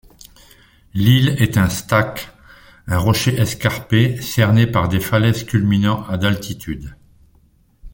L'île est un stack, un rocher escarpé cerné par des falaises, culminant à d'altitude.